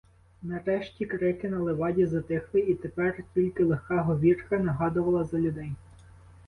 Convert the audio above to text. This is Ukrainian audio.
Нарешті крики на леваді затихли, і тепер тільки тиха говірка нагадувала за людей.